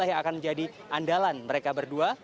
yang akan menjadi andalan mereka berdua